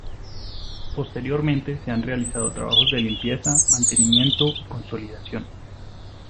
Posteriormente se han realizado trabajos de limpieza, mantenimiento y consolidación.